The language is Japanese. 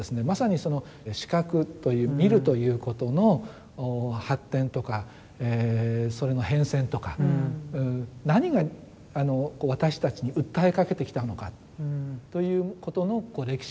まさにその視覚という見るということの発展とかそれの変遷とか何が私たちに訴えかけてきたのかということの歴史が分かる。